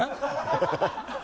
ハハハ